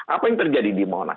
apa yang terjadi di monas